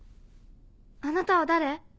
あなたは誰？